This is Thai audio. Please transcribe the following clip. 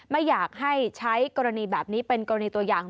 ไม่อยากให้ใช้กรณีแบบนี้เป็นกรณีตัวอย่าง